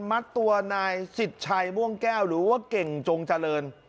มัดตัวนายสิทธิ์ชัยม่วงแก้วหรือว่าเก่งจงเจริญ